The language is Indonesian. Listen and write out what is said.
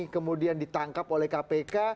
kemudian ditangkap oleh kpk